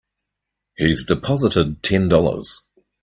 He's deposited Ten Dollars.